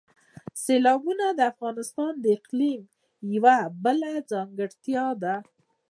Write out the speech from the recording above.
سیلابونه د افغانستان د اقلیم یوه بله ځانګړتیا ده.